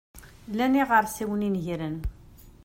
Llan yiɣersiwen inegren.